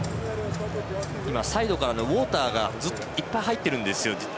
サイドからウォーターがいっぱい入っているんですが。